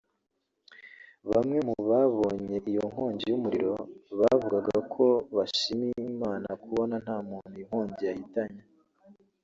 Bamwe mu babonye iyi nkongi y’umuriro buvugaga ko bashima Imana kubona nta muntu iyi nkongi yahitanye